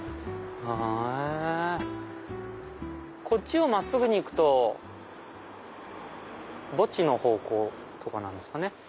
こっちを真っすぐに行くと墓地の方向とかなんですかね。